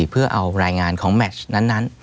เพื่อเอารายงานของแมชนั้น